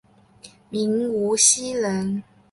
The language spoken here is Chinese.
明无锡人。